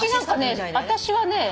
私はね